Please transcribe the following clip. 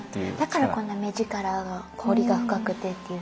だからこんな目力が彫りが深くてっていう。